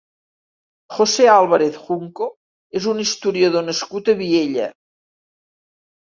José Álvarez Junco és un historiador nascut a Viella.